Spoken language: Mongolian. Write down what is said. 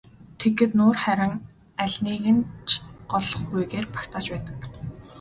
Тэгэхэд нуур харин алиныг нь ч голохгүйгээр багтааж байдаг.